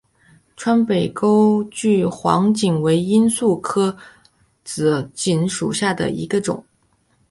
川北钩距黄堇为罂粟科紫堇属下的一个种。